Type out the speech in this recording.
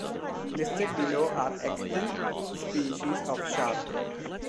Listed below are extant species of shark.